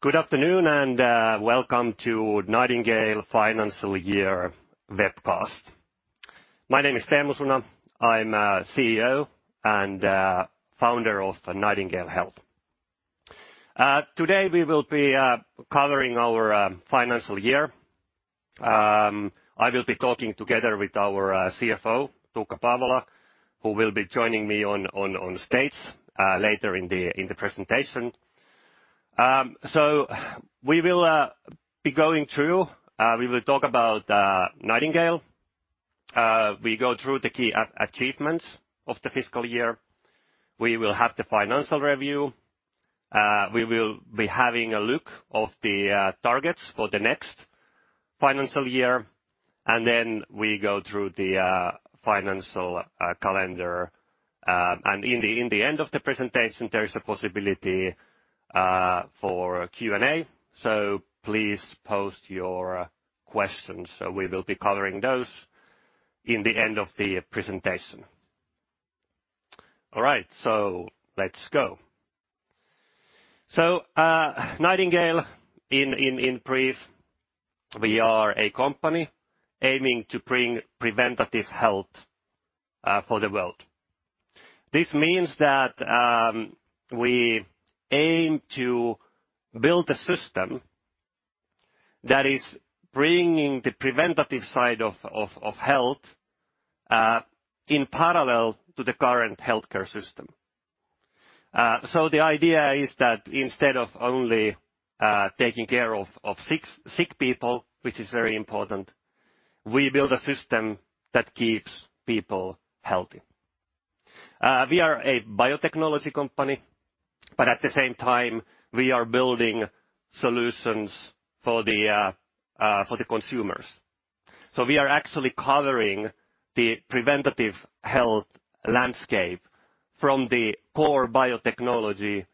Good afternoon and welcome to Nightingale Financial Year Webcast. My name is Teemu Suna. I'm CEO and founder of Nightingale Health. Today we will be covering our financial year. I will be talking together with our CFO, Tuukka Paavola, who will be joining me on stage later in the presentation. We will be going through. We will talk about Nightingale. We go through the key achievements of the fiscal year. We will have the financial review. We will be having a look at the targets for the next financial year, and then we go through the financial calendar. In the end of the presentation, there is a possibility for Q&A, so please post your questions, so we will be covering those in the end of the presentation. All right, let's go. Nightingale in brief, we are a company aiming to bring preventive health for the world. This means that we aim to build a system that is bringing the preventive side of health in parallel to the current healthcare system. The idea is that instead of only taking care of sick people, which is very important, we build a system that keeps people healthy. We are a biotechnology company, but at the same time, we are building solutions for the consumers. We are actually covering the preventive health landscape from the core biotechnology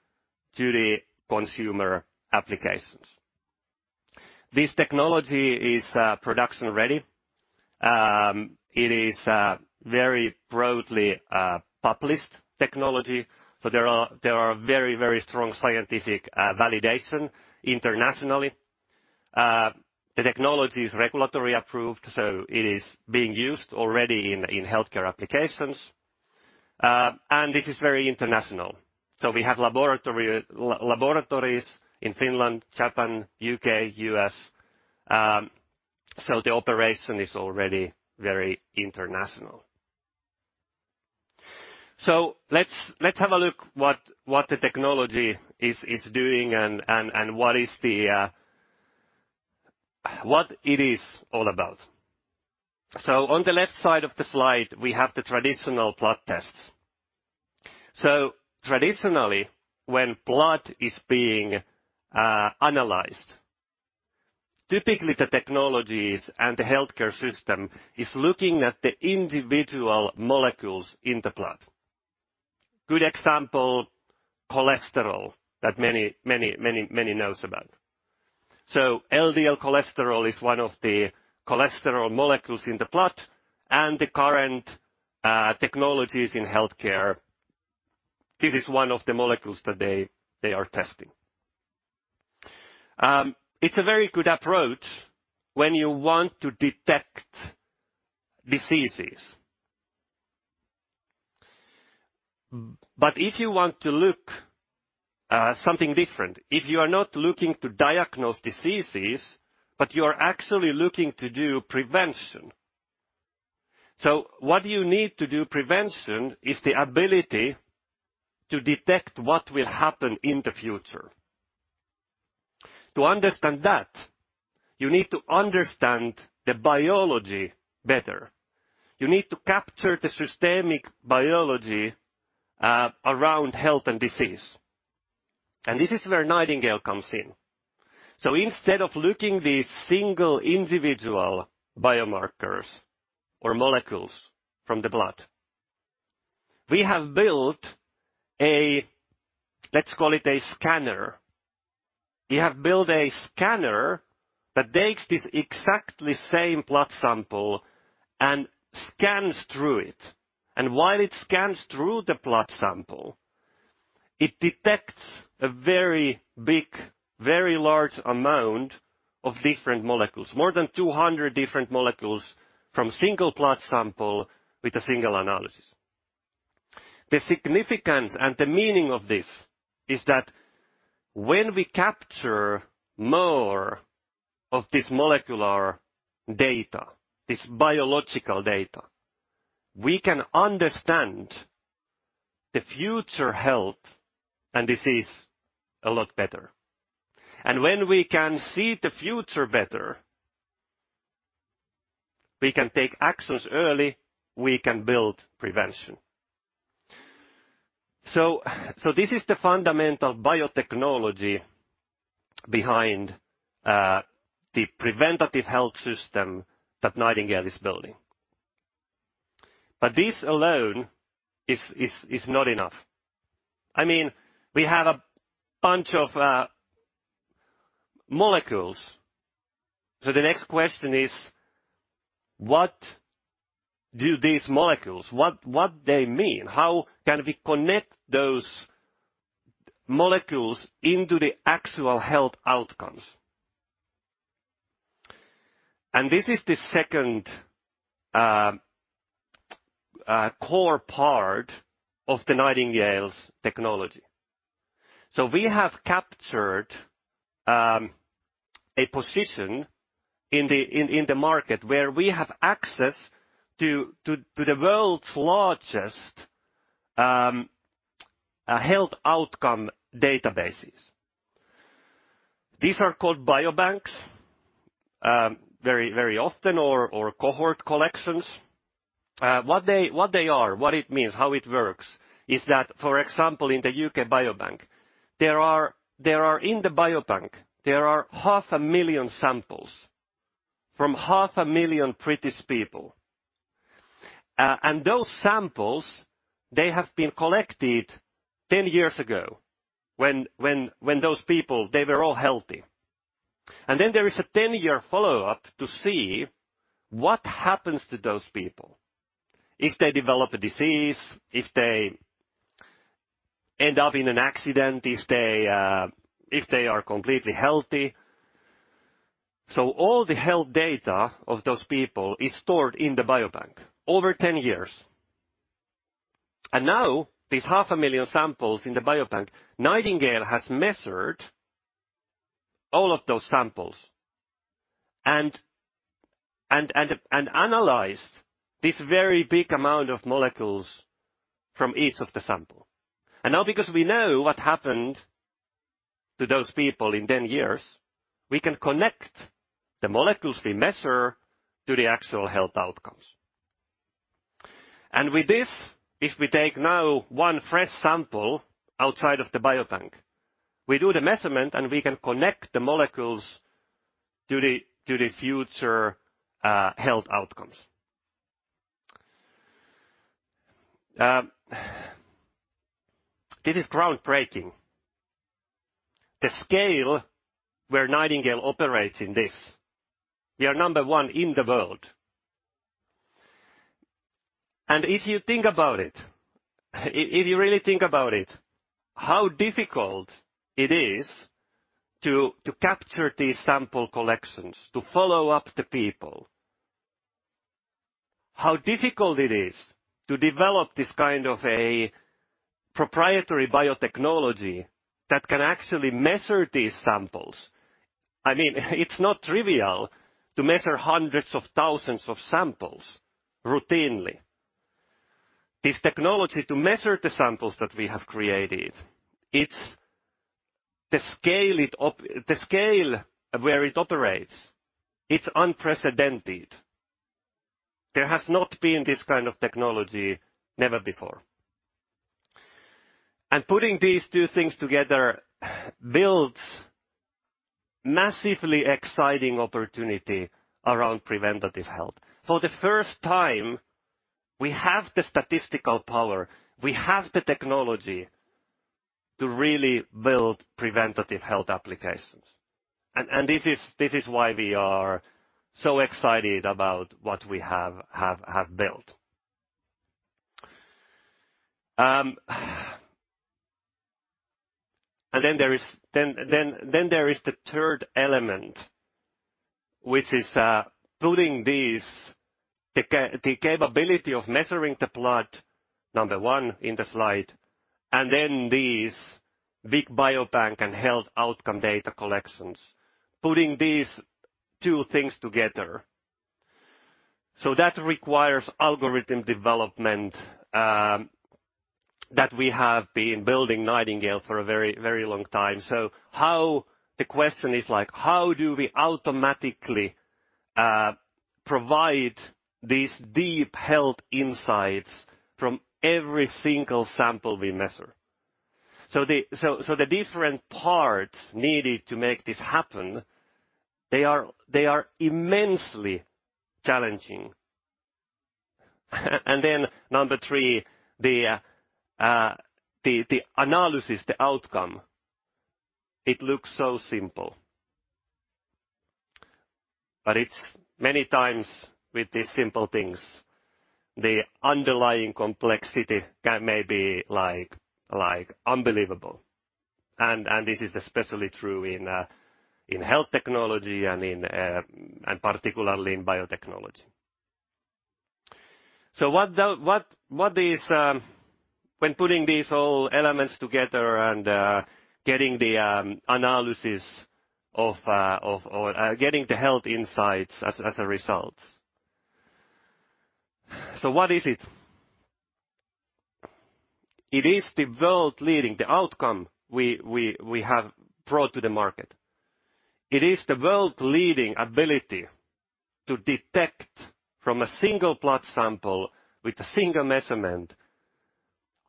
to the consumer applications. This technology is production ready. It is very broadly published technology, so there are very strong scientific validation internationally. The technology is regulatory approved, so it is being used already in healthcare applications. This is very international. We have laboratories in Finland, Japan, U.K., U.S., so the operation is already very international. Let's have a look what the technology is doing and what it is all about. On the left side of the slide, we have the traditional blood tests. Traditionally, when blood is being analyzed, typically the technologies and the healthcare system is looking at the individual molecules in the blood. Good example, cholesterol that many knows about. LDL cholesterol is one of the cholesterol molecules in the blood and the current technologies in healthcare, this is one of the molecules that they are testing. It's a very good approach when you want to detect diseases. If you want to look something different, if you are not looking to diagnose diseases, but you are actually looking to do prevention. What you need to do prevention is the ability to detect what will happen in the future. To understand that, you need to understand the biology better. You need to capture the systemic biology around health and disease. This is where Nightingale comes in. Instead of looking the single individual biomarkers or molecules from the blood, we have built a, let's call it a scanner. We have built a scanner that takes this exactly same blood sample and scans through it, and while it scans through the blood sample, it detects a very big, very large amount of different molecules, more than 200 different molecules from single blood sample with a single analysis. The significance and the meaning of this is that when we capture more of this molecular data, this biological data, we can understand the future health and disease a lot better. When we can see the future better, we can take actions early, we can build prevention. So this is the fundamental biotechnology behind the preventative health system that Nightingale is building. But this alone is not enough. I mean, we have a bunch of molecules. So the next question is, what do these molecules mean? How can we connect those molecules into the actual health outcomes? This is the second core part of the Nightingale's technology. We have captured a position in the market where we have access to the world's largest health outcome databases. These are called biobanks very often or cohort collections. What they are, what it means, how it works is that, for example, in the UK Biobank, there are 500,000 samples from 500,000 British people. Those samples have been collected 10 years ago when those people were all healthy. There is a 10-year follow-up to see what happens to those people, if they develop a disease, if they end up in an accident, if they are completely healthy. All the health data of those people is stored in the UK Biobank over 10 years. Now, these 500,000 samples in the UK Biobank, Nightingale Health has measured all of those samples and analyzed this very big amount of molecules from each of the sample. Now because we know what happened to those people in 10 years, we can connect the molecules we measure to the actual health outcomes. With this, if we take now one fresh sample outside of the UK Biobank, we do the measurement, and we can connect the molecules to the future health outcomes. This is groundbreaking. The scale where Nightingale operates in this, we are number one in the world. If you think about it, if you really think about it, how difficult it is to capture these sample collections, to follow up the people, how difficult it is to develop this kind of a proprietary biotechnology that can actually measure these samples. I mean, it's not trivial to measure hundreds of thousands of samples routinely. This technology to measure the samples that we have created, it's the scale where it operates, it's unprecedented. There has not been this kind of technology never before. Putting these two things together builds massively exciting opportunity around preventative health. For the first time, we have the statistical power, we have the technology to really build preventative health applications. This is why we are so excited about what we have built. There is the third element, which is putting these, the capability of measuring the blood, number one in the slide, and then these big biobank and health outcome data collections, putting these two things together. That requires algorithm development that we have been building Nightingale for a very, very long time. The question is, like, how do we automatically provide these deep health insights from every single sample we measure? The different parts needed to make this happen, they are immensely challenging. Then number three, the analysis, the outcome, it looks so simple. It's many times with these simple things, the underlying complexity can may be, like, unbelievable. This is especially true in health technology and in and particularly in biotechnology. What is when putting these all elements together and getting the analysis of getting the health insights as a result. What is it? It is the world-leading, the outcome we have brought to the market. It is the world-leading ability to detect from a single blood sample with a single measurement,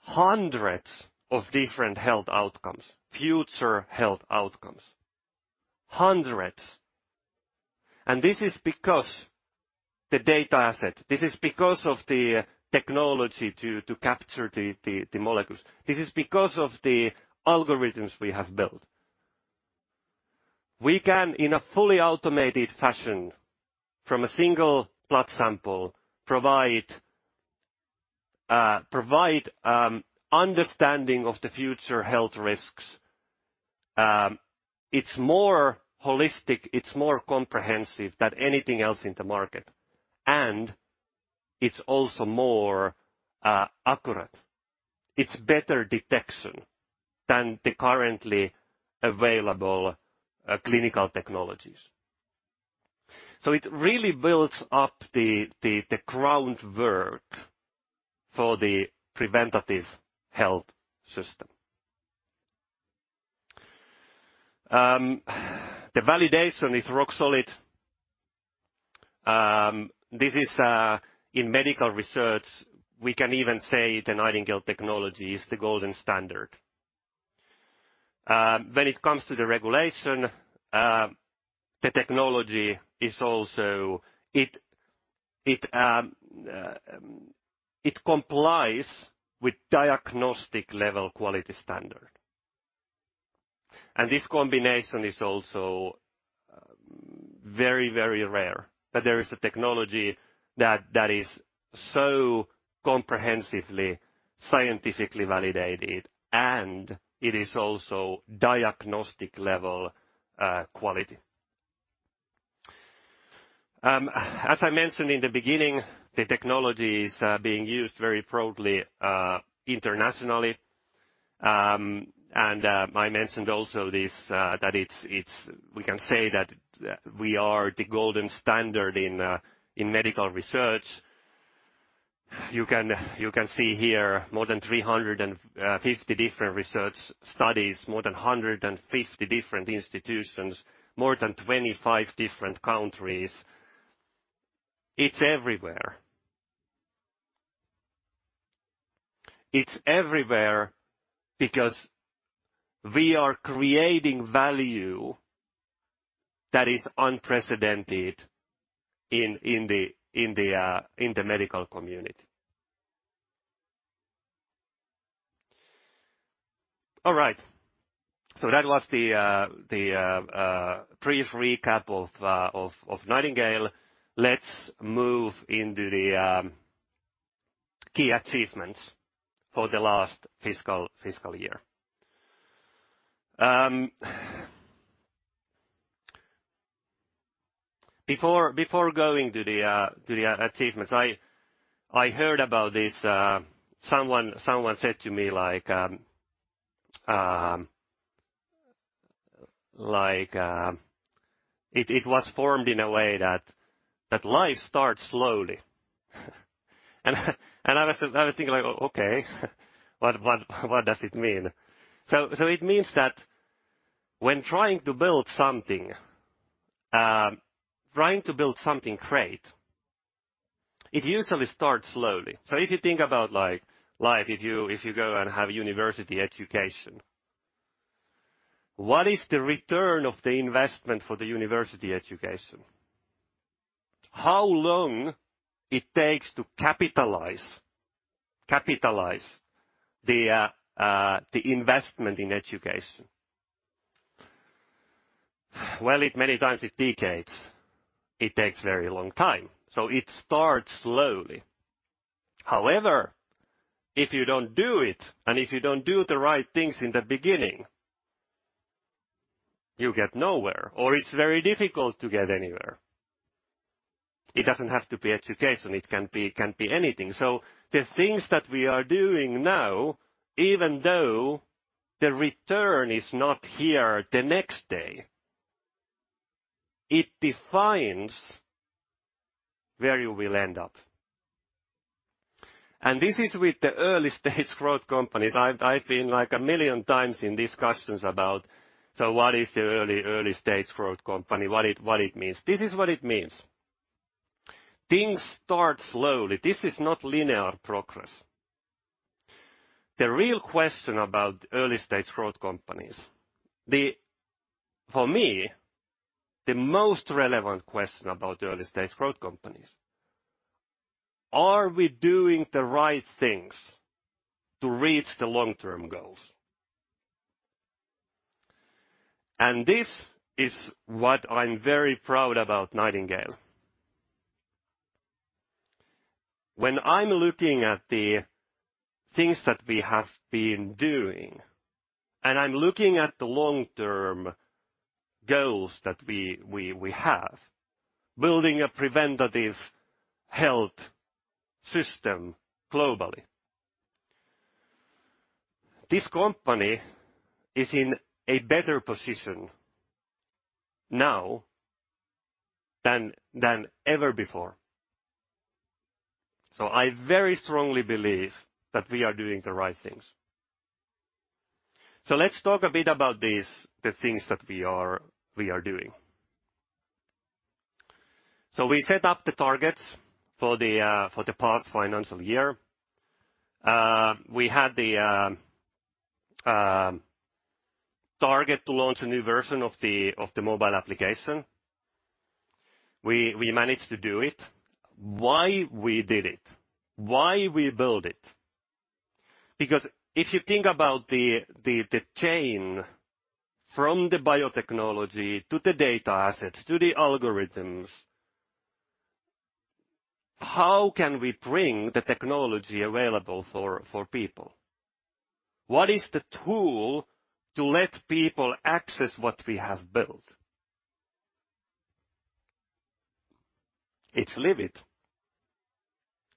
hundreds of different health outcomes, future health outcomes, hundreds. This is because the data asset, this is because of the technology to capture the molecules. This is because of the algorithms we have built. We can, in a fully automated fashion from a single blood sample, provide understanding of the future health risks. It's more holistic, it's more comprehensive than anything else in the market, and it's also more accurate. It's better detection than the currently available clinical technologies. It really builds up the groundwork for the preventative health system. The validation is rock solid. This is, in medical research, we can even say the Nightingale technology is the gold standard. When it comes to the regulation, the technology also complies with diagnostic level quality standard. This combination is also very, very rare, that there is a technology that is so comprehensively scientifically validated, and it is also diagnostic level quality. As I mentioned in the beginning, the technology is being used very broadly internationally. I mentioned also this, that it's we can say that we are the gold standard in medical research. You can see here more than 350 different research studies, more than 150 different institutions, more than 25 different countries. It's everywhere. It's everywhere because we are creating value that is unprecedented in the medical community. All right. That was the brief recap of Nightingale. Let's move into the key achievements for the last fiscal year. Before going to the achievements, I heard about this. Someone said to me like, it was formed in a way that life starts slowly. I was thinking like, "Okay, what does it mean?" It means that when trying to build something great, it usually starts slowly. If you think about like, life, if you go and have university education, what is the return on the investment for the university education? How long it takes to capitalize on the investment in education? Well, many times it takes decades. It takes a very long time. It starts slowly. However, if you don't do it, and if you don't do the right things in the beginning, you get nowhere or it's very difficult to get anywhere. It doesn't have to be education, it can be, it can be anything. The things that we are doing now, even though the return is not here the next day, it defines where you will end up. This is with the early stage growth companies. I've been like a million times in discussions about, so what is the early stage growth company? What it means? This is what it means. Things start slowly. This is not linear progress. The real question about early stage growth companies, for me, the most relevant question about early stage growth companies, are we doing the right things to reach the long-term goals? This is what I'm very proud about Nightingale. When I'm looking at the things that we have been doing, and I'm looking at the long-term goals that we have, building a preventative health system globally. This company is in a better position now than ever before. I very strongly believe that we are doing the right things. Let's talk a bit about these things that we are doing. We set up the targets for the past financial year. We had the target to launch a new version of the mobile application. We managed to do it. Why we did it, why we build it? Because if you think about the chain from the biotechnology to the data assets to the algorithms, how can we bring the technology available for people? What is the tool to let people access what we have built? It's Livit.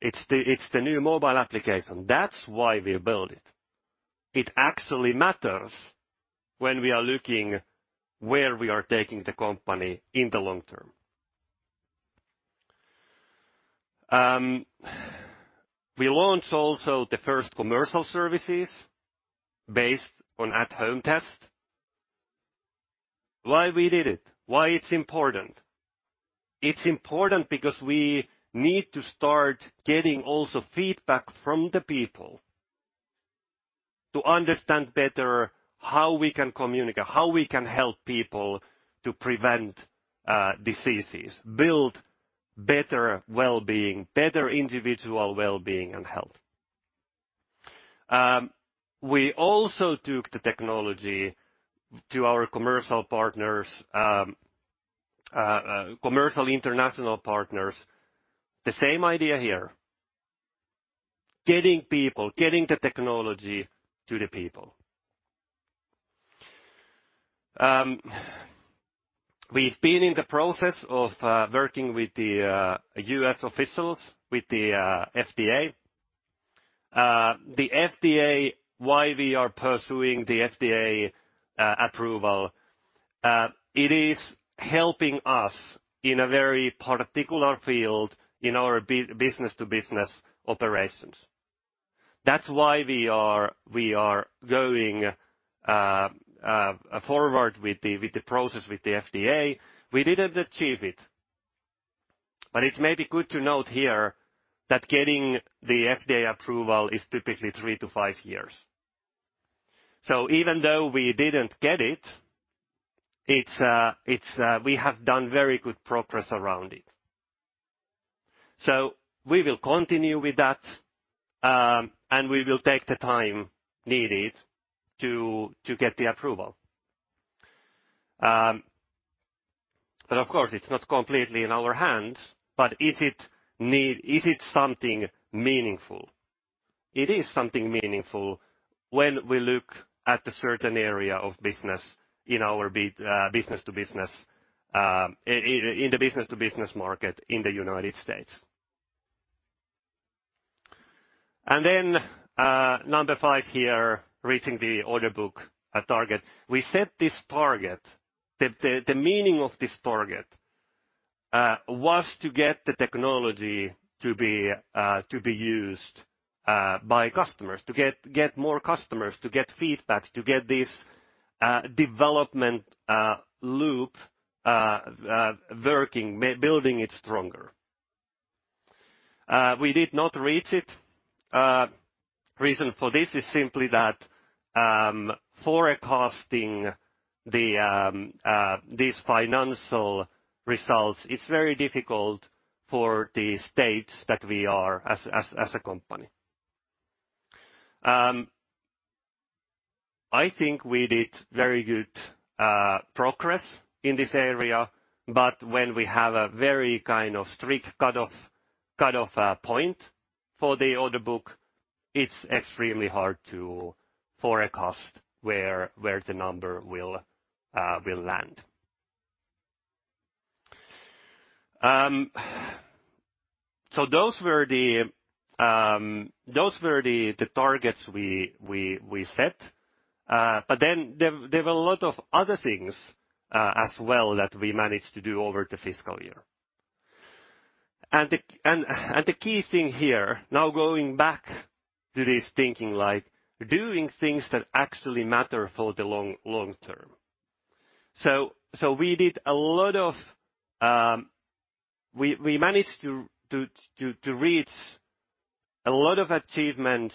It's the new mobile application. That's why we build it. It actually matters when we are looking where we are taking the company in the long term. We launched also the first commercial services based on at-home test. Why we did it, why it's important? It's important because we need to start getting also feedback from the people to understand better how we can communicate, how we can help people to prevent diseases, build better well-being, better individual well-being and health. We also took the technology to our commercial partners, commercial international partners. The same idea here, getting people, getting the technology to the people. We've been in the process of working with the U.S. officials, with the FDA. The FDA, why we are pursuing the FDA approval, it is helping us in a very particular field in our business to business operations. That's why we are going forward with the process with the FDA. We didn't achieve it, but it may be good to note here that getting the FDA approval is typically three to five years. Even though we didn't get it's we have done very good progress around it. We will continue with that, and we will take the time needed to get the approval. Of course, it's not completely in our hands. Is it something meaningful? It is something meaningful when we look at a certain area of business in our business to business market in the United States. Number 5 here, reaching the order book target. We set this target. The meaning of this target was to get the technology to be used by customers, to get more customers, to get feedback, to get this development loop working, building it stronger. We did not reach it. Reason for this is simply that forecasting these financial results, it's very difficult for the stage that we are as a company. I think we did very good progress in this area. when we have a very kind of strict cutoff point for the order book, it's extremely hard to forecast where the number will land. Those were the targets we set. there were a lot of other things as well that we managed to do over the fiscal year. the key thing here, now going back to this thinking like doing things that actually matter for the long term. we managed to reach a lot of achievements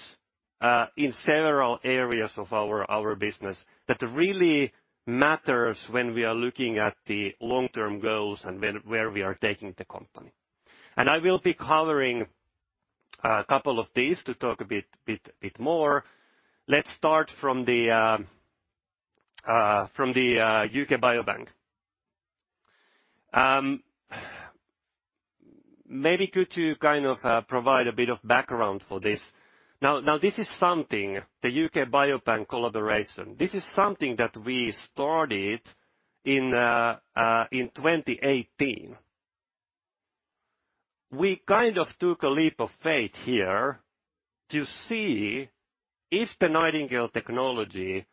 in several areas of our business that really matters when we are looking at the long-term goals and where we are taking the company. I will be covering a couple of these to talk a bit more. Let's start from the UK Biobank. Maybe good to kind of provide a bit of background for this. Now this is something, the UK Biobank collaboration, this is something that we started in 2018. We kind of took a leap of faith here to see if the Nightingale technology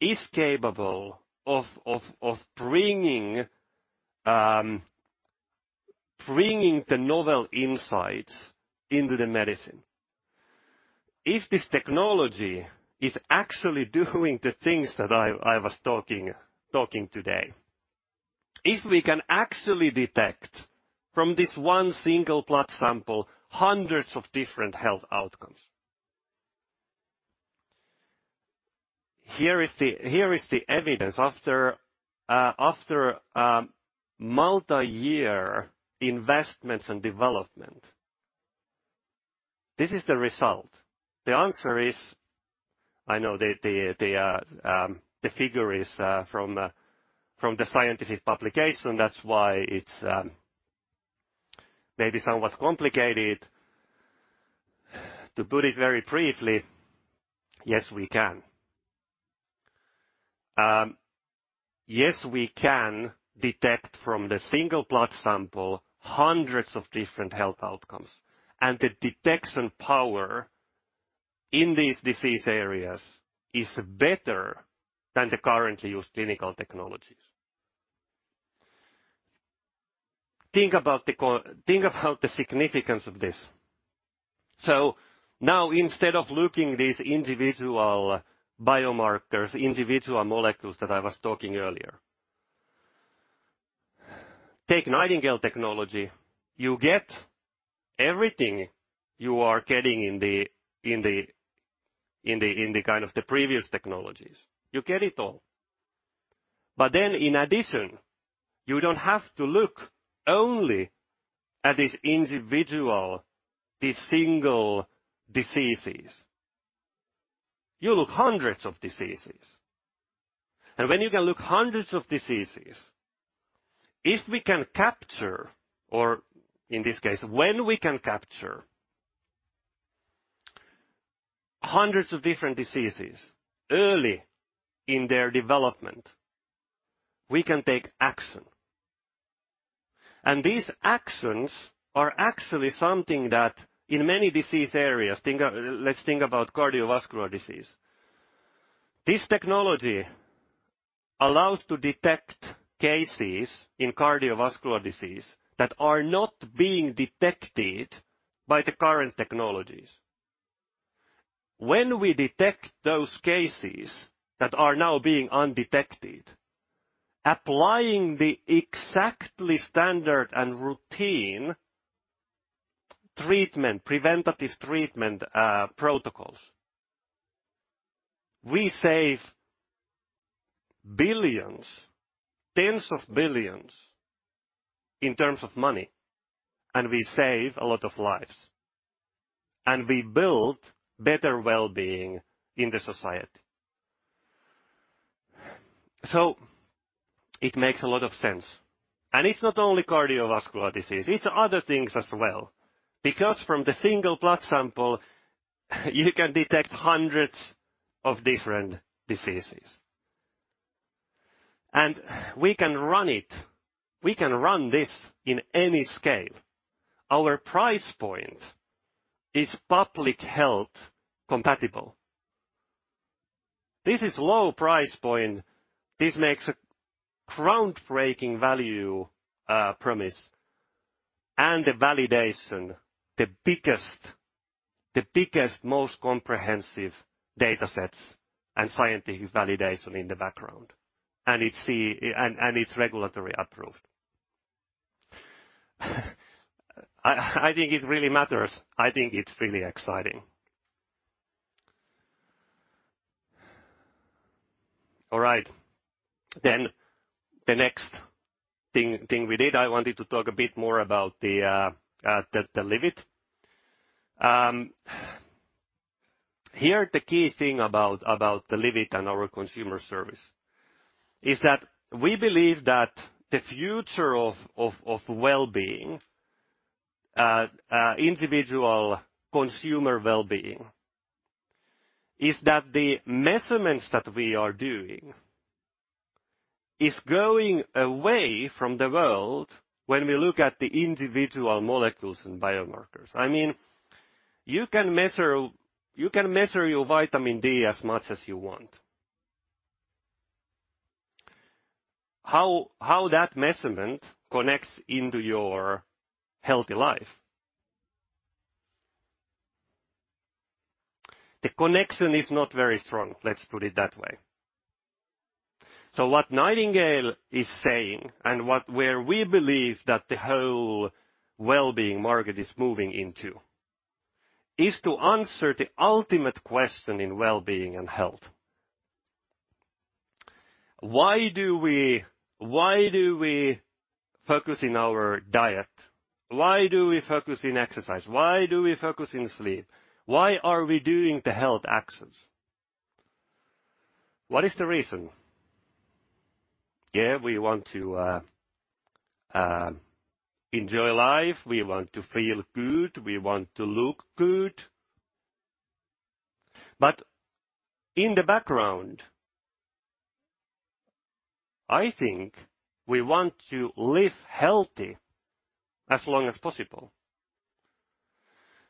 is capable of bringing the novel insights into the medicine. If this technology is actually doing the things that I was talking today. If we can actually detect from this one single blood sample, hundreds of different health outcomes. Here is the evidence after multi-year investments and development, this is the result. The answer is, I know the figure is from the scientific publication. That's why it's maybe somewhat complicated. To put it very briefly, yes, we can. Yes, we can detect from the single blood sample hundreds of different health outcomes, and the detection power in these disease areas is better than the currently used clinical technologies. Think about the significance of this. Now instead of looking these individual biomarkers, individual molecules that I was talking earlier. Take Nightingale technology, you get everything you are getting in the kind of the previous technologies. You get it all. But then in addition, you don't have to look only at these individual, these single diseases. You look hundreds of diseases. When you can look at hundreds of diseases, if we can capture, or in this case, when we can capture hundreds of different diseases early in their development, we can take action. These actions are actually something that in many disease areas, let's think about cardiovascular disease. This technology allows to detect cases in cardiovascular disease that are not being detected by the current technologies. When we detect those cases that are now being undetected, applying the exact standard and routine treatment, preventive treatment, protocols, we save billions, EUR tens of billions in terms of money, and we save a lot of lives, and we build better well-being in the society. It makes a lot of sense. It's not only cardiovascular disease, it's other things as well, because from the single blood sample, you can detect hundreds of different diseases. We can run this in any scale. Our price point is public health compatible. This is low price point. This makes a groundbreaking value promise, and the validation, the biggest, most comprehensive datasets and scientific validation in the background, and it's regulatory approved. I think it really matters. I think it's really exciting. All right. The next thing we did, I wanted to talk a bit more about the Livit. Here, the key thing about the Livit and our consumer service is that we believe that the future of well-being, individual consumer well-being, is that the measurements that we are doing is going away from the world when we look at the individual molecules and biomarkers. I mean, you can measure your vitamin D as much as you want. How that measurement connects into your healthy life? The connection is not very strong. Let's put it that way. What Nightingale is saying and where we believe that the whole well-being market is moving into is to answer the ultimate question in well-being and health. Why do we focus in our diet? Why do we focus in exercise? Why do we focus in sleep? Why are we doing the health actions? What is the reason? Yeah, we want to enjoy life, we want to feel good, we want to look good. In the background, I think we want to live healthy as long as possible,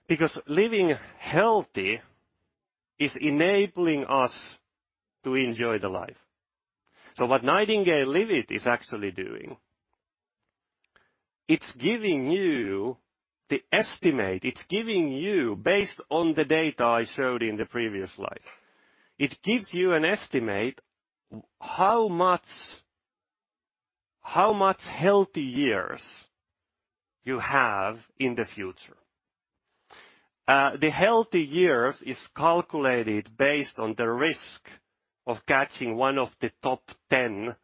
because living healthy is enabling us to enjoy the life. What Nightingale Livit is actually doing. It's giving you the estimate. It's giving you based on the data I showed in the previous slide. It gives you an estimate how much healthy years you have in the future. The healthy years is calculated based on the risk of catching one of the top ten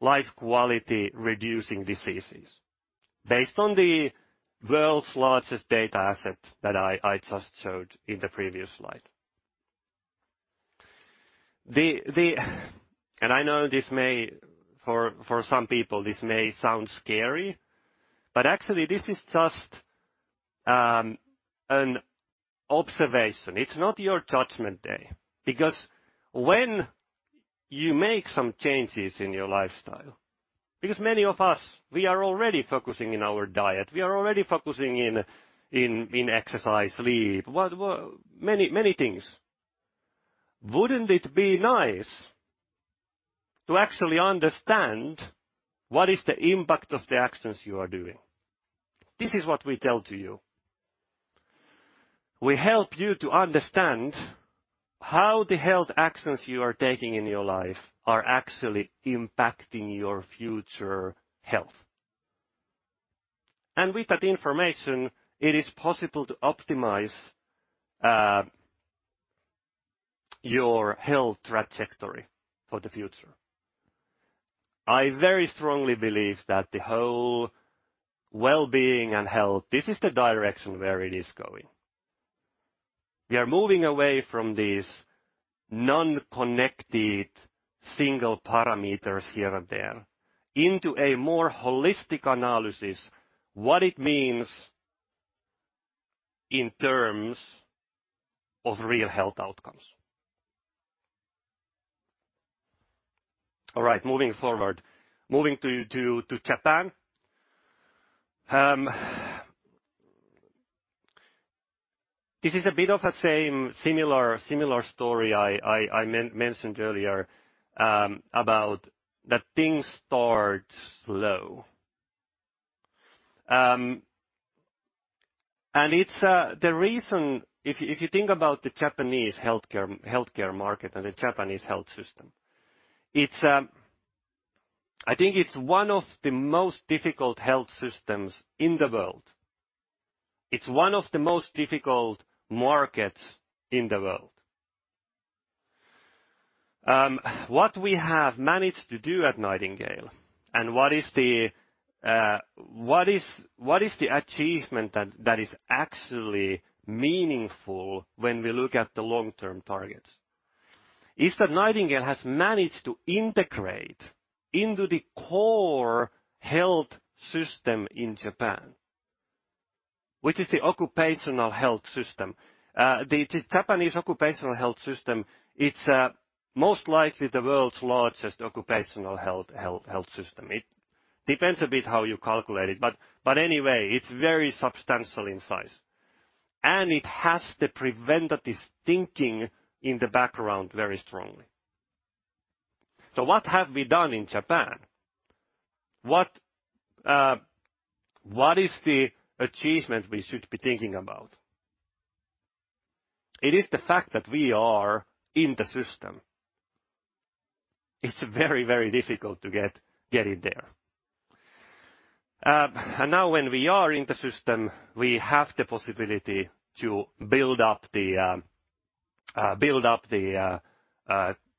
life quality reducing diseases, based on the world's largest data asset that I just showed in the previous slide. I know this may sound scary for some people, but actually this is just an observation. It's not your judgment day. Because when you make some changes in your lifestyle, many of us, we are already focusing on our diet, we are already focusing on exercise, sleep, many things. Wouldn't it be nice to actually understand what is the impact of the actions you are doing? This is what we tell to you. We help you to understand how the health actions you are taking in your life are actually impacting your future health. With that information, it is possible to optimize your health trajectory for the future. I very strongly believe that the whole well-being and health, this is the direction where it is going. We are moving away from these non-connected single parameters here and there into a more holistic analysis, what it means in terms of real health outcomes. All right, moving forward. Moving to Japan. This is a bit of a similar story I mentioned earlier, about that things start slow. It's the reason if you think about the Japanese healthcare market and the Japanese health system, it's, I think, one of the most difficult health systems in the world. It's one of the most difficult markets in the world. What we have managed to do at Nightingale and what is the achievement that is actually meaningful when we look at the long-term targets is that Nightingale has managed to integrate into the core health system in Japan, which is the occupational health system. The Japanese occupational health system, it's most likely the world's largest occupational health system. It depends a bit how you calculate it, but anyway, it's very substantial in size, and it has the preventative thinking in the background very strongly. What have we done in Japan? What is the achievement we should be thinking about? It is the fact that we are in the system. It's very, very difficult to get in there. Now when we are in the system, we have the possibility to build up the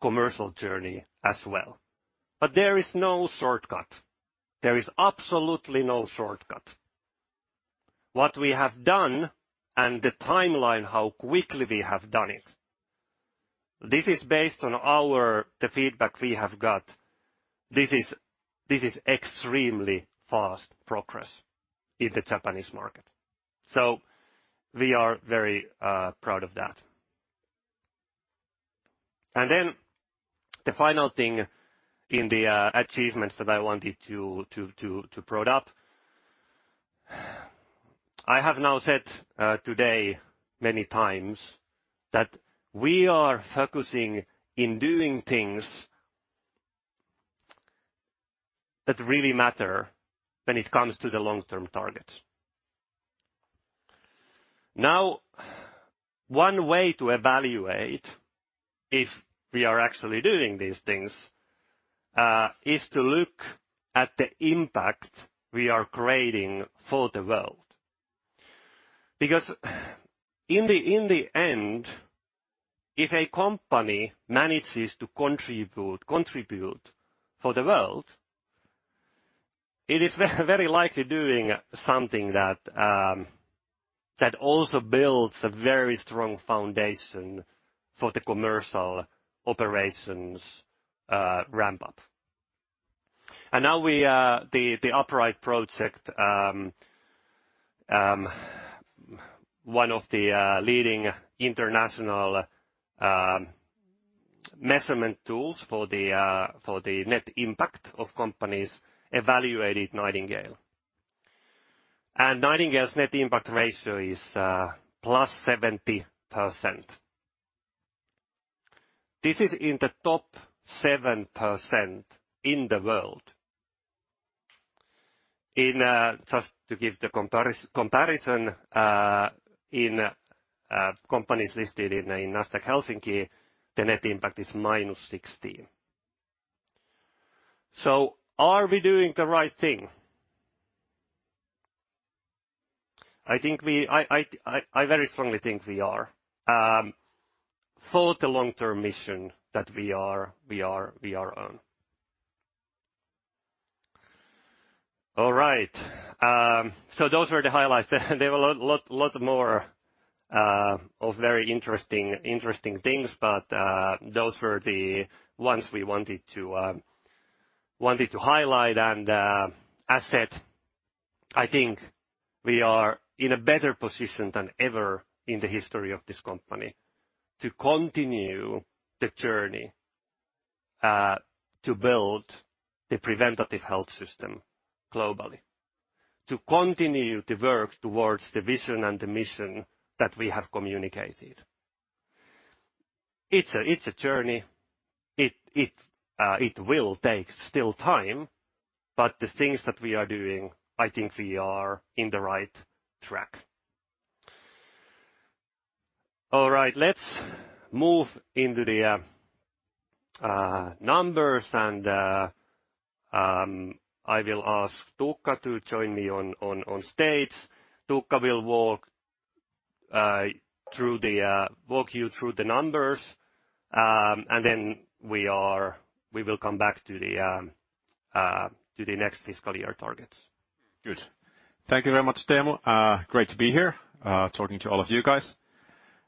commercial journey as well. There is no shortcut. There is absolutely no shortcut. What we have done and the timeline, how quickly we have done it, this is based on the feedback we have got. This is extremely fast progress in the Japanese market. We are very proud of that. Then the final thing in the achievements that I wanted to bring up. I have now said today many times that we are focusing in doing things that really matter when it comes to the long-term targets. Now, one way to evaluate if we are actually doing these things is to look at the impact we are creating for the world. Because in the end, if a company manages to contribute for the world, it is very likely doing something that also builds a very strong foundation for the commercial operations ramp up. Now we, the Upright Project, one of the leading international measurement tools for the net impact of companies evaluated Nightingale. Nightingale's net impact ratio is plus 70%. This is in the top 7% in the world. In just to give the comparison, in companies listed in Nasdaq Helsinki, the net impact is -16. Are we doing the right thing? I think I very strongly think we are for the long-term mission that we are on. All right. Those were the highlights. There were lots more of very interesting things, but those were the ones we wanted to highlight and that's it. I think we are in a better position than ever in the history of this company to continue the journey to build the preventative health system globally, to continue the work towards the vision and the mission that we have communicated. It's a journey. It will still take time, but the things that we are doing, I think we are on the right track. All right, let's move on to the numbers, and I will ask Tuukka to join me on stage. Tuukka will walk you through the numbers, and then we will come back to the next fiscal year targets. Good. Thank you very much, Teemu. Great to be here, talking to all of you guys.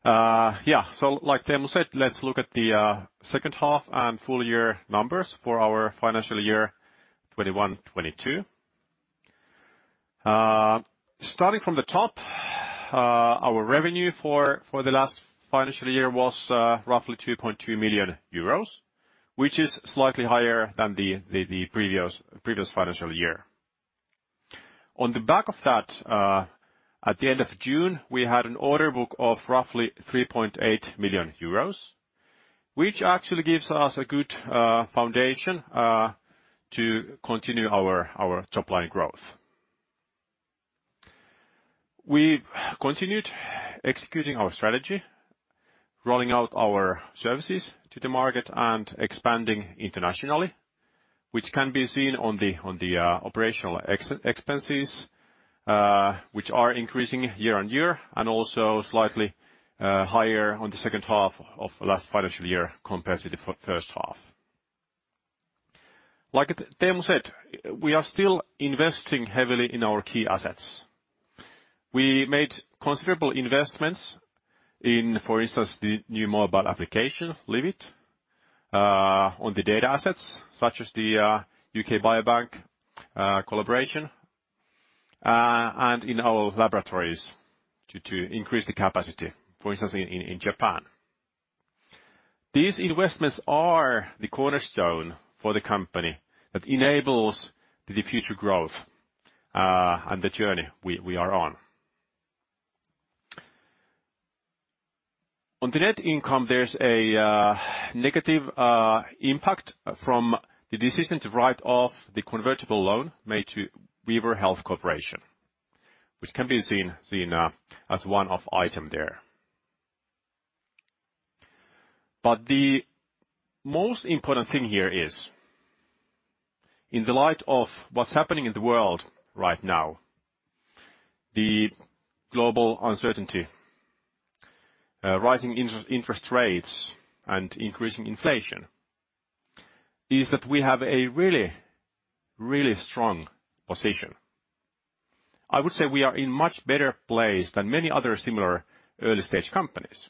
Yeah. Like Teemu said, let's look at the second half and full year numbers for our financial year 2021, 2022. Starting from the top, our revenue for the last financial year was roughly 2.2 million euros, which is slightly higher than the previous financial year. On the back of that, at the end of June, we had an order book of roughly 3.8 million euros, which actually gives us a good foundation to continue our top line growth. We've continued executing our strategy, rolling out our services to the market and expanding internationally, which can be seen on the operational expenses, which are increasing year on year and also slightly higher on the second half of last financial year compared to the first half. Like Teemu said, we are still investing heavily in our key assets. We made considerable investments in, for instance, the new mobile application, Livit, on the data assets such as the UK Biobank collaboration, and in our laboratories to increase the capacity, for instance, in Japan. These investments are the cornerstone for the company that enables the future growth, and the journey we are on. On the net income, there's a negative impact from the decision to write off the convertible loan made to Weavr Health Corp., which can be seen as one of item there. The most important thing here is in the light of what's happening in the world right now, the global uncertainty, rising interest rates and increasing inflation is that we have a really strong position. I would say we are in much better place than many other similar early-stage companies.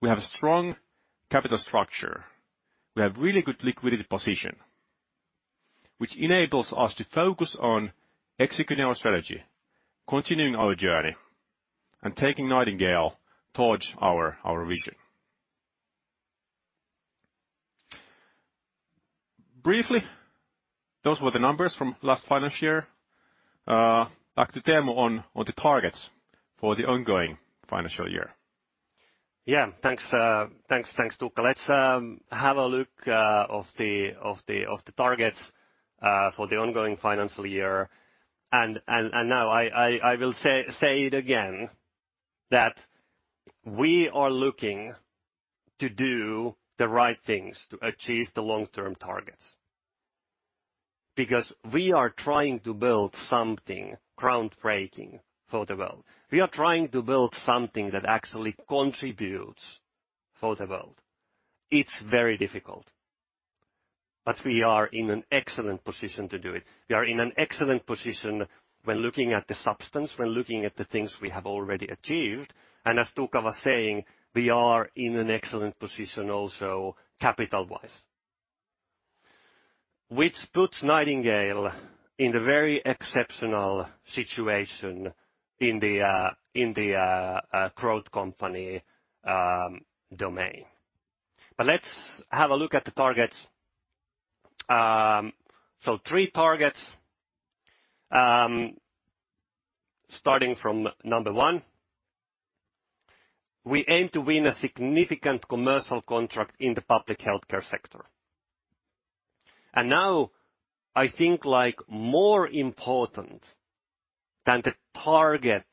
We have a strong capital structure. We have really good liquidity position, which enables us to focus on executing our strategy, continuing our journey, and taking Nightingale towards our vision. Briefly, those were the numbers from last financial year. Back to Teemu on the targets for the ongoing financial year. Yeah. Thanks, Tuukka. Let's have a look at the targets for the ongoing financial year. Now I will say it again that we are looking to do the right things to achieve the long-term targets because we are trying to build something groundbreaking for the world. We are trying to build something that actually contributes for the world. It's very difficult, but we are in an excellent position to do it. We are in an excellent position when looking at the substance, when looking at the things we have already achieved. As Tuukka was saying, we are in an excellent position also capital-wise, which puts Nightingale in a very exceptional situation in the growth company domain. Let's have a look at the targets. Three targets. Starting from number one, we aim to win a significant commercial contract in the public healthcare sector. Now, I think like more important than the target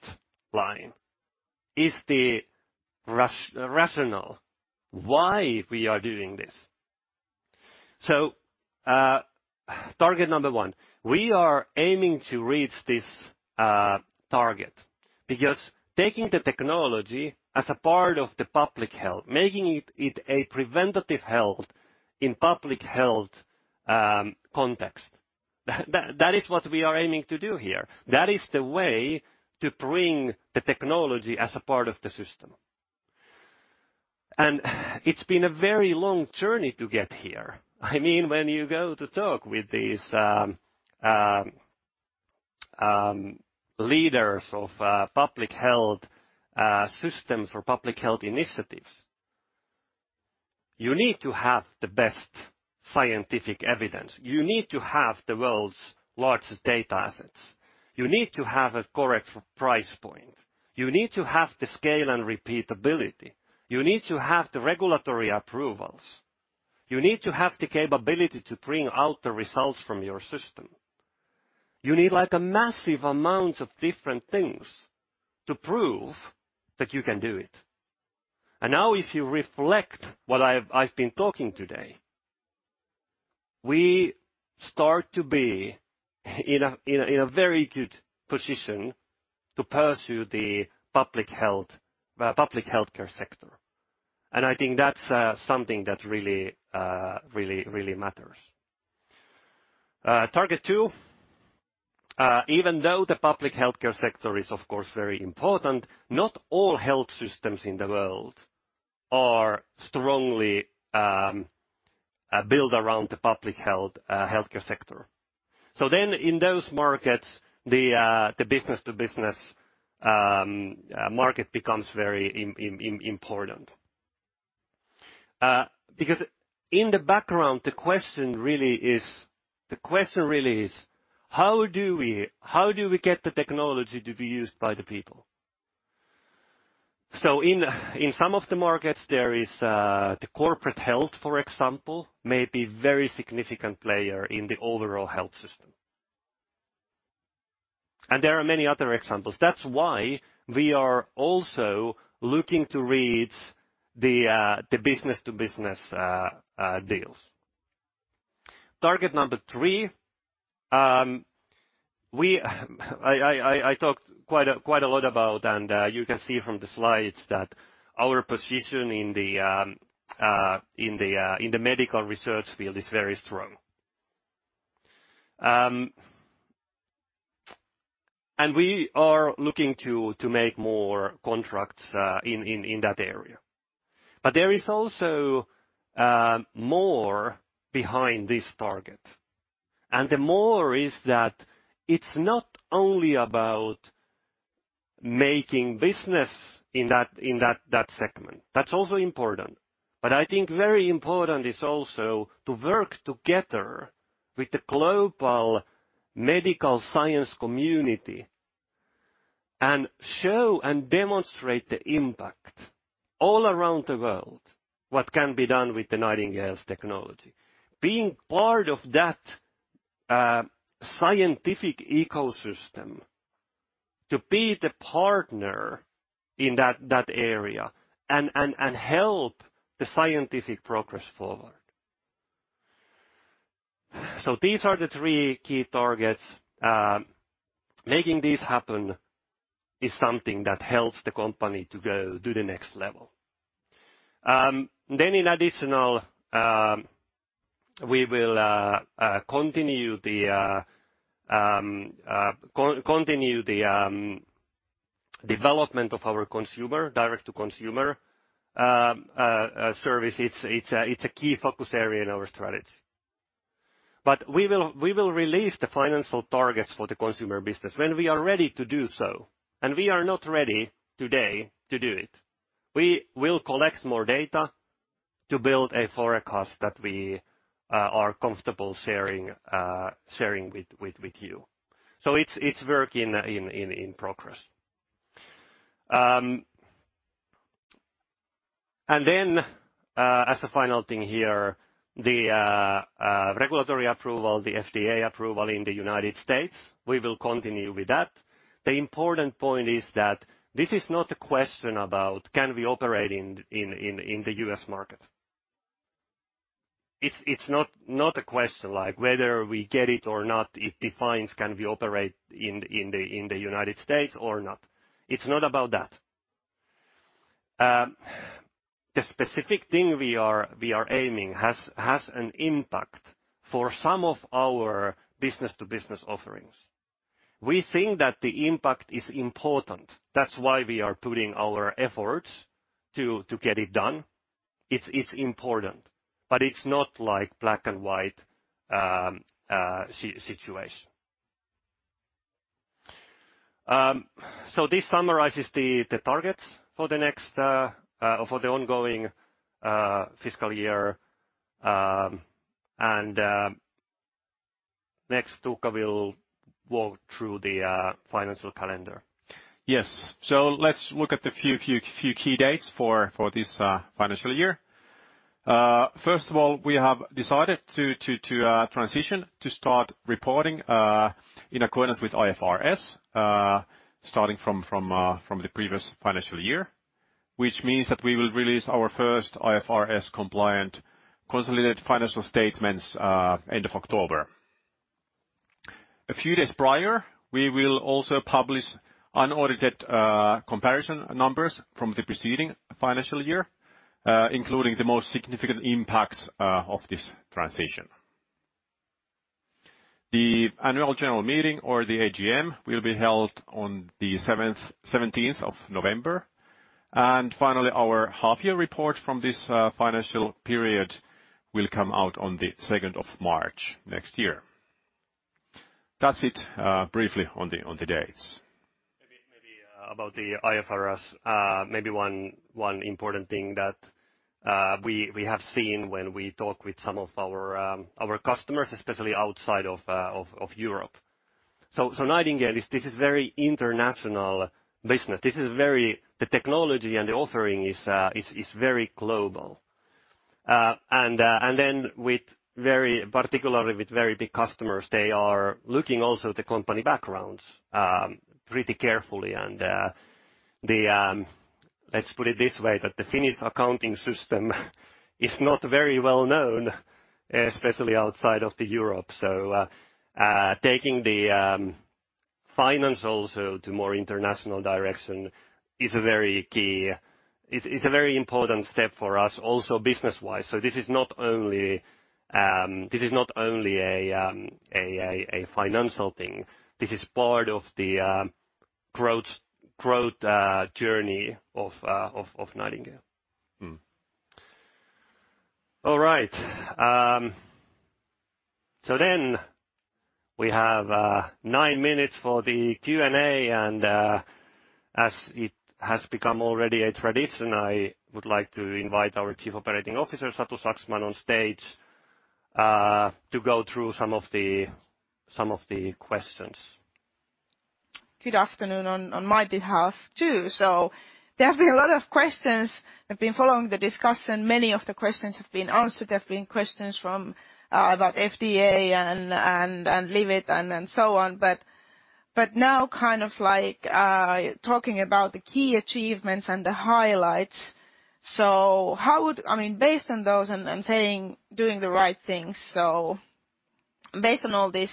line is the rationale why we are doing this. Target number one, we are aiming to reach this target because taking the technology as a part of the public health, making it a preventative health in public health context, that is what we are aiming to do here. That is the way to bring the technology as a part of the system. It's been a very long journey to get here. I mean, when you go to talk with these leaders of public health systems or public health initiatives, you need to have the best scientific evidence. You need to have the world's largest data assets. You need to have a correct price point. You need to have the scale and repeatability. You need to have the regulatory approvals. You need to have the capability to bring out the results from your system. You need like a massive amount of different things to prove that you can do it. Now if you reflect what I've been talking today, we start to be in a very good position to pursue the public healthcare sector. I think that's something that really matters. Target two, even though the public healthcare sector is, of course, very important, not all health systems in the world are strongly built around the public healthcare sector. In those markets, the business-to-business market becomes very important. Because in the background, the question really is, how do we get the technology to be used by the people? In some of the markets, there is the corporate health, for example, may be very significant player in the overall health system. There are many other examples. That's why we are also looking to reach the business-to-business deals. Target number three, I talked quite a lot about, and you can see from the slides that our position in the medical research field is very strong. We are looking to make more contracts in that area. There is also more behind this target, and the more is that it's not only about making business in that segment. That's also important. I think very important is also to work together with the global medical science community and show and demonstrate the impact all around the world, what can be done with the Nightingale's technology. Being part of that scientific ecosystem, to be the partner in that area and help the scientific progress forward. These are the three key targets. Making this happen is something that helps the company to go to the next level. In addition, we will continue the development of our consumer, direct-to-consumer service. It's a key focus area in our strategy. We will release the financial targets for the consumer business when we are ready to do so, and we are not ready today to do it. We will collect more data to build a forecast that we are comfortable sharing with you. It's work in progress. As a final thing here, the regulatory approval, the FDA approval in the United States, we will continue with that. The important point is that this is not a question about can we operate in the U.S. market. It's not a question like whether we get it or not, it defines can we operate in the United States or not. It's not about that. The specific thing we are aiming has an impact for some of our business-to-business offerings. We think that the impact is important. That's why we are putting our efforts to get it done. It's important, but it's not like black and white situation. This summarizes the targets for the ongoing fiscal year. Next, Tuukka will walk through the financial calendar. Yes. Let's look at a few key dates for this financial year. First of all, we have decided to transition to start reporting in accordance with IFRS starting from the previous financial year, which means that we will release our first IFRS-compliant consolidated financial statements end of October. A few days prior, we will also publish unaudited comparison numbers from the preceding financial year, including the most significant impacts of this transition. The annual general meeting or the AGM will be held on the seventeenth of November. Finally, our half year report from this financial period will come out on the second of March next year. That's it, briefly on the dates. About the IFRS, one important thing that we have seen when we talk with some of our customers, especially outside of Europe. Nightingale, this is very international business. The technology and the offering is very global. Particularly with very big customers, they are looking also at the company backgrounds pretty carefully. Let's put it this way, that the Finnish accounting system is not very well known, especially outside of Europe. Taking the finance also to more international direction is very key. It's a very important step for us also business-wise. This is not only a financial thing. This is part of the growth journey of Nightingale. Mm. All right. We have nine minutes for the Q&A. As it has become already a tradition, I would like to invite our Chief Operating Officer, Satu Saksman, on stage to go through some of the questions. Good afternoon on my behalf, too. There have been a lot of questions. I've been following the discussion. Many of the questions have been answered. There have been questions about FDA and Livit and so on. Now kind of like talking about the key achievements and the highlights. I mean, based on those and I'm saying doing the right things, based on all this,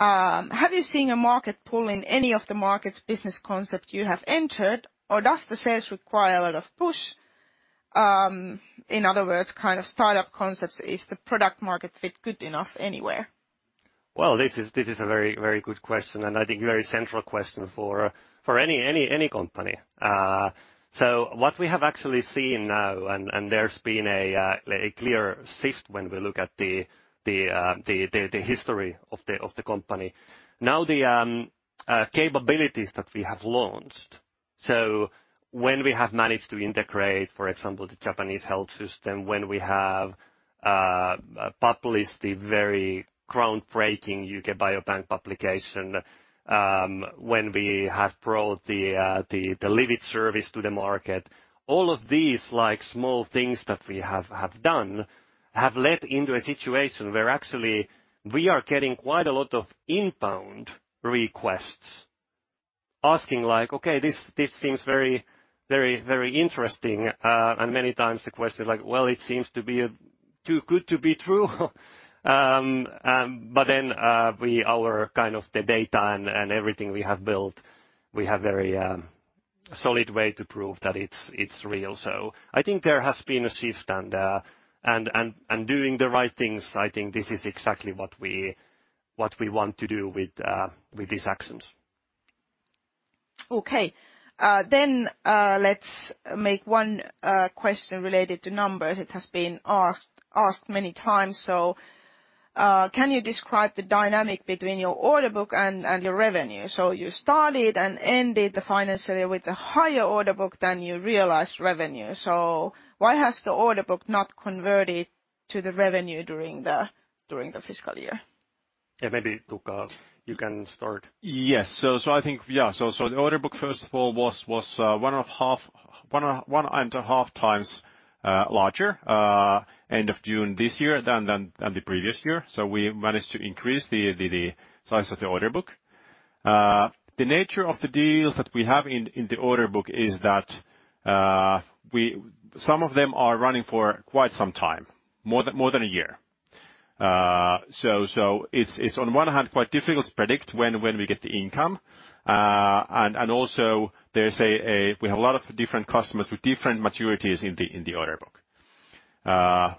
have you seen a market pull in any of the markets business concept you have entered, or does the sales require a lot of push? In other words, kind of startup concepts, is the product market fit good enough anywhere? Well, this is a very, very good question and I think very central question for any company. What we have actually seen now, and there's been a clear shift when we look at the history of the company. Now, the capabilities that we have launched. When we have managed to integrate, for example, the Japanese health system, when we have published the very groundbreaking UK Biobank publication, when we have brought the Livit service to the market. All of these like small things that we have done have led into a situation where actually we are getting quite a lot of inbound requests asking like, "Okay, this seems very interesting." Many times the question is like, "Well, it seems to be too good to be true." Our kind of the data and everything we have built, we have very solid way to prove that it's real. I think there has been a shift and doing the right things. I think this is exactly what we want to do with these actions. Okay. Then, let's make one question related to numbers. It has been asked many times. Can you describe the dynamic between your order book and your revenue? You started and ended the financial year with a higher order book than you realized revenue. Why has the order book not converted to the revenue during the fiscal year? Yeah. Maybe Tuukka, you can start. I think the order book, first of all, was 1.5x larger end of June this year than the previous year. We managed to increase the size of the order book. The nature of the deals that we have in the order book is that some of them are running for quite some time, more than a year. It's on one hand quite difficult to predict when we get the income. We have a lot of different customers with different maturities in the order book.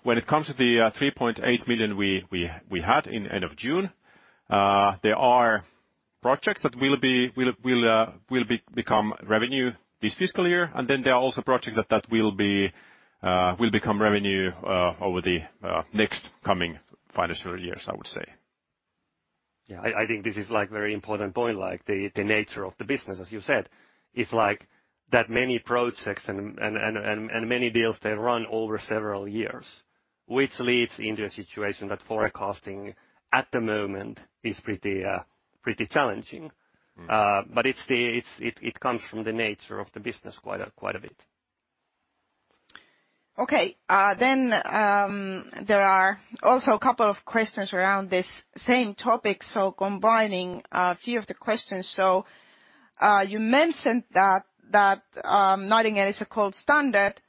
When it comes to the 3.8 million we had in end of June, there are projects that will become revenue this fiscal year, and then there are also projects that will become revenue over the next coming financial years, I would say. Yeah, I think this is like very important point, like the nature of the business, as you said. It's like that many projects and many deals they run over several years, which leads into a situation that forecasting at the moment is pretty challenging. But it comes from the nature of the business quite a bit. Okay. There are also a couple of questions around this same topic, so combining a few of the questions. You mentioned that Nightingale is a gold standard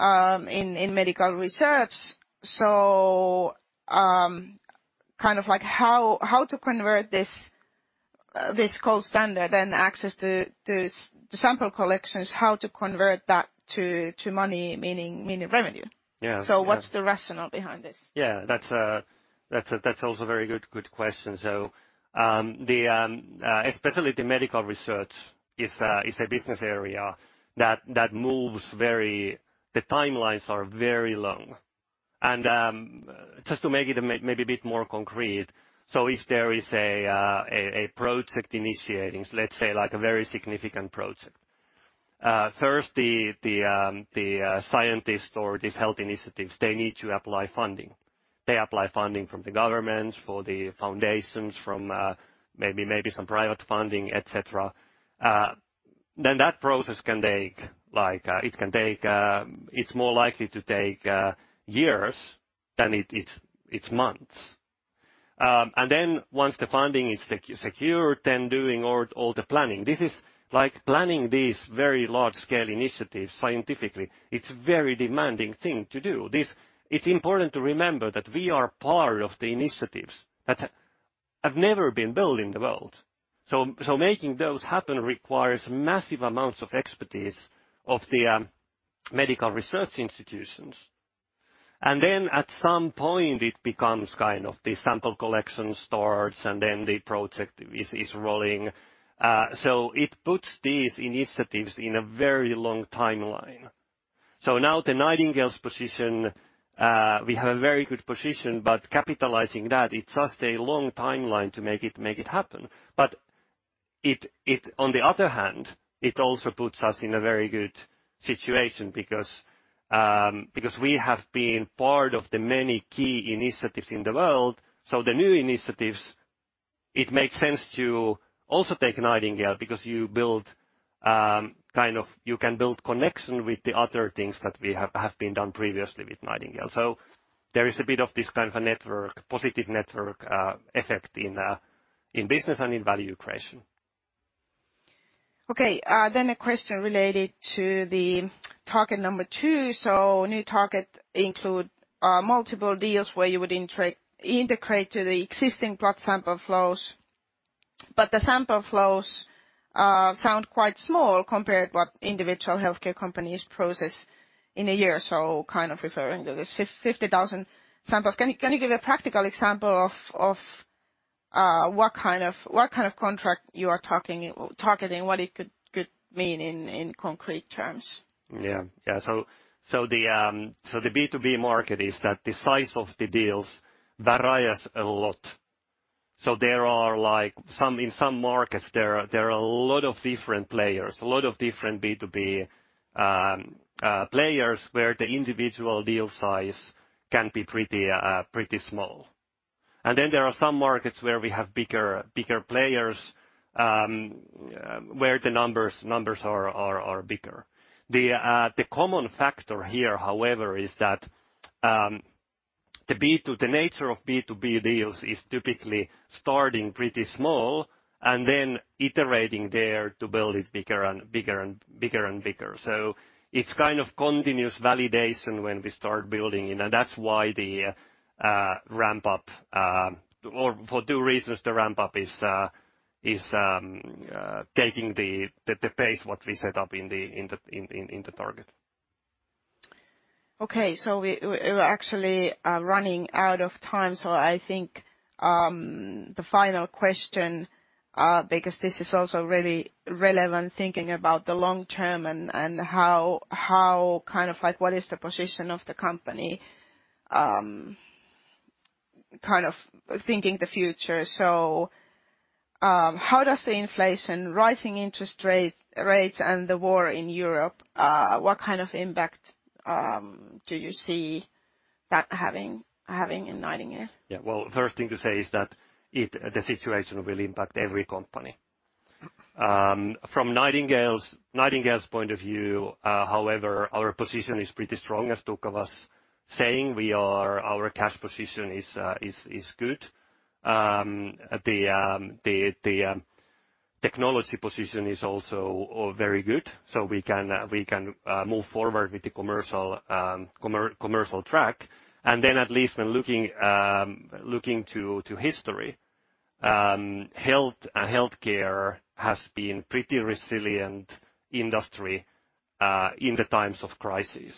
in medical research. Kind of like how to convert this gold standard and access to this, the sample collections, how to convert that to money, meaning revenue? Yeah. What's the rationale behind this? Yeah, that's also a very good question. Especially the medical research is a business area that moves very. The timelines are very long. Just to make it a maybe a bit more concrete, if there is a project initiating, let's say like a very significant project. First, the scientist or these health initiatives, they need to apply funding. They apply funding from the governments, for the foundations, from maybe some private funding, et cetera. Then that process can take, like, it can take. It's more likely to take years than it's months. Once the funding is secure, then doing all the planning. This is like planning these very large-scale initiatives scientifically. It's a very demanding thing to do. It's important to remember that we are part of the initiatives that have never been built in the world. Making those happen requires massive amounts of expertise of the medical research institutions. Then at some point, it becomes kind of the sample collection starts, and then the project is rolling. It puts these initiatives in a very long timeline. Now Nightingale Health's position, we have a very good position, but capitalizing that, it's just a long timeline to make it happen. On the other hand, it also puts us in a very good situation because we have been part of the many key initiatives in the world. The new initiatives, it makes sense to also take Nightingale because you build, kind of you can build connection with the other things that we have been done previously with Nightingale. There is a bit of this kind of a positive network effect in business and in value creation. A question related to the target number two. New target include multiple deals where you would integrate to the existing blood sample flows, but the sample flows sound quite small compared to what individual healthcare companies process in a year. Kind of referring to this 50,000 samples. Can you give a practical example of what kind of contract you are targeting? What it could mean in concrete terms? The B2B market is that the size of the deals varies a lot. There are like in some markets there are a lot of different players, a lot of different B2B players where the individual deal size can be pretty small. Then there are some markets where we have bigger players, where the numbers are bigger. The common factor here, however, is that the nature of B2B deals is typically starting pretty small and then iterating there to build it bigger and bigger. It's kind of continuous validation when we start building, you know. That's why the ramp up, or for two reasons, the ramp up is taking the pace what we set up in the target. Okay. We're actually running out of time. I think the final question, because this is also really relevant, thinking about the long term and how kind of, like, what is the position of the company? Kind of thinking the future. How does the inflation, rising interest rates, and the war in Europe, what kind of impact do you see that having in Nightingale? Well, first thing to say is that the situation will impact every company. From Nightingale's point of view, however, our position is pretty strong, as Tuukka was saying. Our cash position is good. The technology position is also very good, so we can move forward with the commercial track. Then at least when looking to history, health and healthcare has been pretty resilient industry in the times of crisis.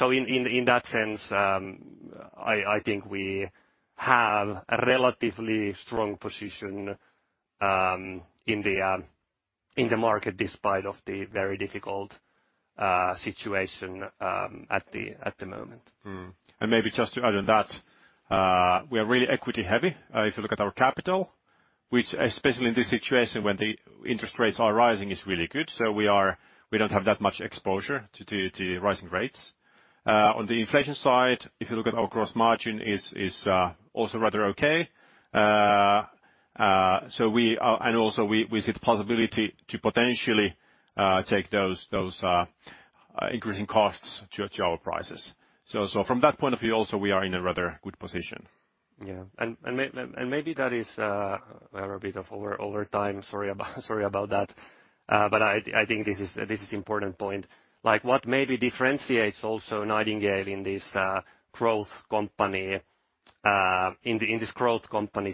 In that sense, I think we have a relatively strong position in the market, despite of the very difficult situation at the moment. Maybe just to add on that, we are really equity heavy. If you look at our capital, which especially in this situation when the interest rates are rising, is really good. We don't have that much exposure to the rising rates. On the inflation side, if you look at our gross margin is also rather okay. We see the possibility to potentially take those increasing costs to our prices. From that point of view also, we are in a rather good position. Yeah. Maybe that is. We are a bit over time. Sorry about that. I think this is important point. Like, what maybe differentiates also Nightingale in this growth company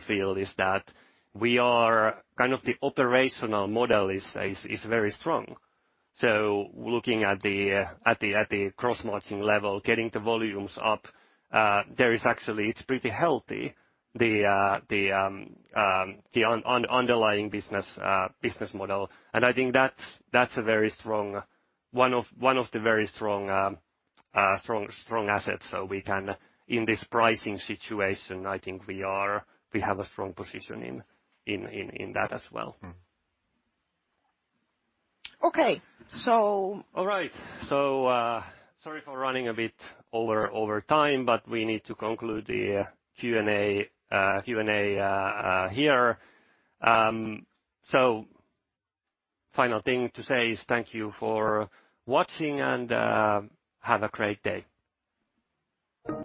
field is that we are kind of the operational model is very strong. Looking at the gross margin level, getting the volumes up, there is actually, it's pretty healthy, the underlying business model. I think that's a very strong, one of the very strong assets. We can, in this pricing situation, I think we have a strong position in that as well. Okay. All right. Sorry for running a bit over time, but we need to conclude the Q&A here. Final thing to say is thank you for watching, and have a great day. Thank you.